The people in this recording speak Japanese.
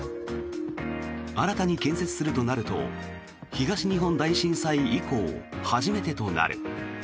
新たに建設するとなると東日本大震災以降初めてとなる。